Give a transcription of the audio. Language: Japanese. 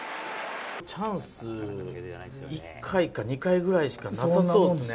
チャンス、１回か２回ぐらいしかなさそうですね。